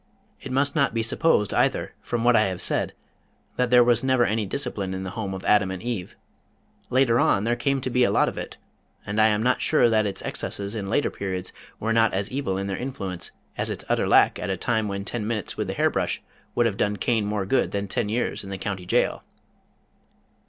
It must not be supposed, either from what I have said that there was never any discipline in the Home of Adam and Eve. Later on there came to be a lot of it, and I am not sure that its excesses in later periods were not as evil in their influence as its utter lack at a time when ten minutes with the hair brush would have done Cain more good than ten years in the county jail.